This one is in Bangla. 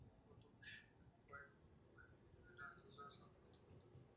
Mumbai trans harbour line Thane থেকে শুরু হয়ে ভাসি/নেরুল পর্যন্ত বিস্তৃত।